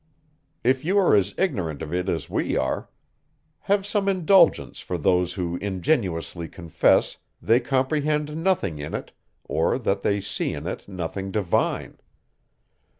If you are as ignorant of it as we are, have some indulgence for those who ingenuously confess, they comprehend nothing in it, or that they see in it nothing divine.